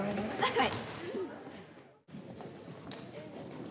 はい。